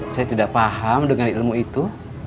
saya tidak paham dengan ilmu itu